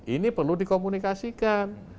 ini perlu dikomunikasikan